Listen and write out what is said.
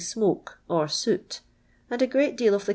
iinoke or tojl, and a great lea; of the c.